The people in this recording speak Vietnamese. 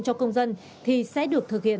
cho công dân thì sẽ được thực hiện